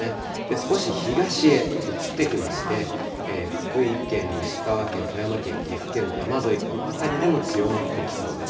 少し東へ移ってきまして、福井県、石川県、富山県、岐阜県の山沿い、この辺りでも強まってきそうです。